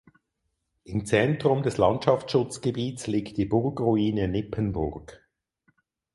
Im Zentrum des Landschaftsschutzgebiets liegt die Burgruine Nippenburg.